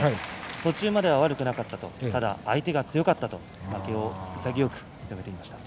途中までは悪くなかったただ相手が強かったと負けを潔く認めていました。